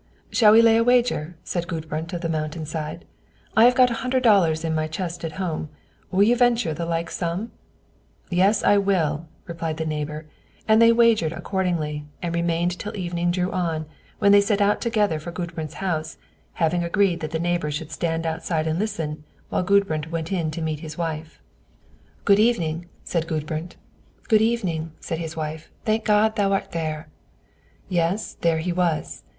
"Shall we lay a wager?" said Gudbrand of the Mountain side. "I have got a hundred dollars in my chest at home; will you venture the like sum?" "Yes, I will," replied the neighbor, and they wagered accordingly, and remained till evening drew on, when they set out together for Gudbrand's house; having agreed that the neighbor should stand outside and listen, while Gudbrand went in to meet his wife. "Good evening," said Gudbrand. "Good evening," said his wife, "thank God thou art there." Yes, there he was.